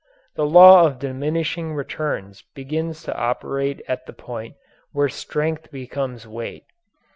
The law of diminishing returns begins to operate at the point where strength becomes weight.